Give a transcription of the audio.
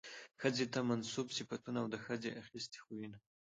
ښځې ته منسوب صفتونه او د ښځې اخىستي خوىونه